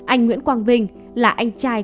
anh nguyễn quang vinh là anh trai